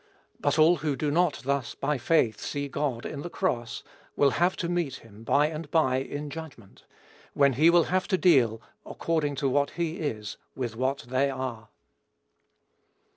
But all who do not thus, by faith, see God, in the cross, will have to meet him, by and by, in judgment, when he will have to deal, according to what he is, with what they are.